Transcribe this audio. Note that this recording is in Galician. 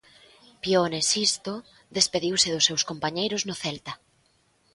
Pione Sisto despediuse dos seus compañeiros no Celta.